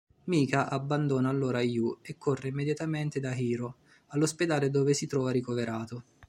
Mika abbandona allora Yu e corre immediatamente da Hiro, all'ospedale dove si trova ricoverato.